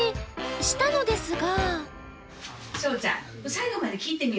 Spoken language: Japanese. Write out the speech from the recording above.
したのですが。